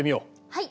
はい。